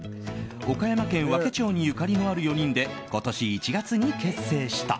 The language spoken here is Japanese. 岡山県和気町にゆかりのある４人で今年１月に結成した。